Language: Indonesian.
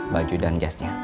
baju dan jasnya